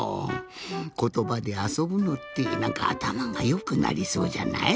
ことばであそぶのってなんかあたまがよくなりそうじゃない？